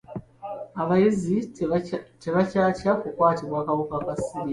Abayizi tebakyatya kukwatibwa kawuka ka Siriimu.